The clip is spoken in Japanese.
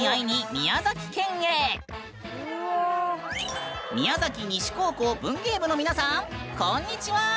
宮崎西高校文芸部の皆さんこんにちは！